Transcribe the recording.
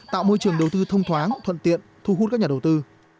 tạo môi trường đầu tư thông thoáng thuận tiện thu hút các nhà đầu tư